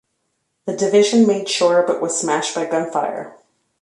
The division made shore, but was smashed by gunfire.